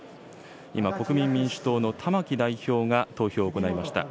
今、国民民主党の玉木代表が投票を行いました。